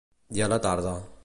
I a la tarda?